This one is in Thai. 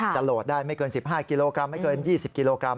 โหลดได้ไม่เกิน๑๕กิโลกรัมไม่เกิน๒๐กิโลกรัม